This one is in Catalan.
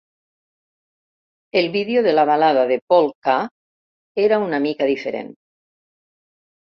El vídeo de la Balada de Paul K era una mica diferent.